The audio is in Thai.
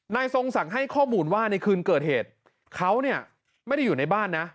ทรงศักดิ์ให้ข้อมูลว่าในคืนเกิดเหตุเขาเนี่ยไม่ได้อยู่ในบ้านนะ